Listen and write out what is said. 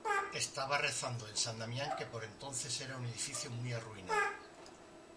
Estaba rezando en San Damián que por entonces era un edificio muy arruinado.